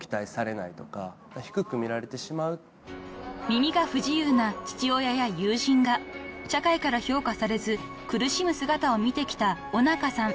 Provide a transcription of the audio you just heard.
［耳が不自由な父親や友人が社会から評価されず苦しむ姿を見てきた尾中さん］